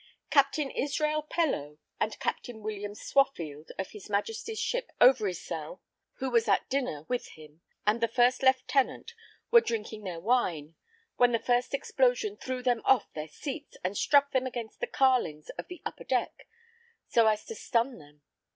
Captain Israel Pellow, and Captain William Swaffield, of his Majesty's ship Overyssel, who was at dinner with him and the first lieutenant, were drinking their wine; when the first explosion threw them off their seats, and struck them against the carlings of the upper deck, so as to stun them.